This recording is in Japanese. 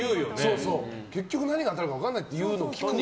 結局何が当たるか分からないっていいますけど。